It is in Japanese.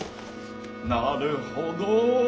なるほどォ！